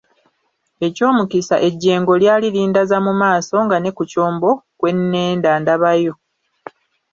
Eky'omukisa ejjengo lyali lindaza mu maaso nga ne ku kyombo kwe nnenda ndabayo.